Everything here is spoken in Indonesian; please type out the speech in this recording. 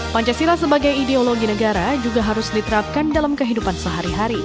pancasila sebagai ideologi negara juga harus diterapkan dalam kehidupan sehari hari